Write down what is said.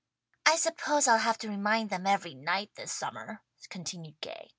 "I suppose I'll have to remind them every night this summer," continued Gay.